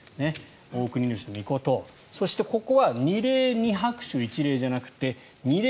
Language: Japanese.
オオクニヌシノミコトそしてここは二礼二拍手一礼じゃなくて二礼